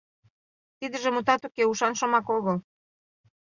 Тидыже, мутат уке, ушан шомак огыл.